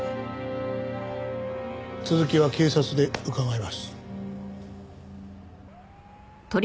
続きは警察で伺います。